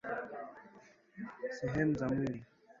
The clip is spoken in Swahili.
sehemu za mwili